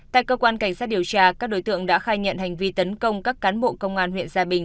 tại cơ quan cảnh sát điều tra các đối tượng đã khai nhận hành vi tấn công các cán bộ công an huyện gia bình